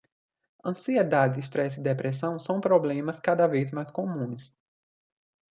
Ansiedade, estresse e depressão são problemas cada vez mais comuns